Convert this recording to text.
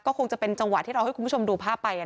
คงจะเป็นจังหวะที่เราให้คุณผู้ชมดูภาพไป